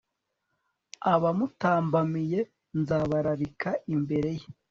abamutambamiye nzabararika imbere ye